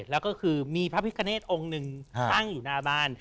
แล้วก็คือมีพระพิคเนธองค์หนึ่งตั้งอยู่หน้าบ้าน